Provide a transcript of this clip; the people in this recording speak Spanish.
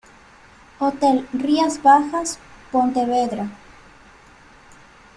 Hotel Rías Bajas, Pontevedra.